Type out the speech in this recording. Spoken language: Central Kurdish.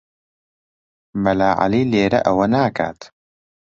مەلا عەلی لێرە ئەوە ناکات.